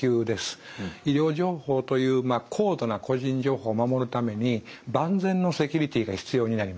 医療情報という高度な個人情報を守るために万全のセキュリティーが必要になります。